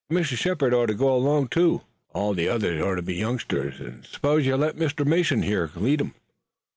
An' Mr. Shepard ought to go along too. All the others ought to be youngsters, an' spose you let Mr. Mason here lead 'em."